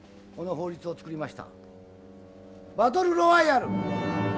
バトル・ロワイアル！